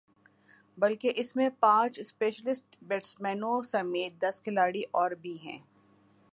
بلکہ اس میں پانچ اسپیشلسٹ بیٹسمینوں سمیت دس کھلاڑی اور بھی ہیں